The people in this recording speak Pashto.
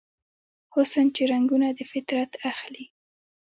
حسن چې رنګونه دفطرت اخلي